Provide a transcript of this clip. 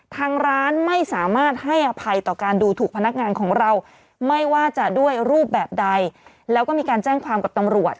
ทางร้านไม่สามารถให้อภัยต่อการดูถูกพนักงานของเราไม่ว่าจะด้วยรูปแบบใดแล้วก็มีการแจ้งความกับตำรวจ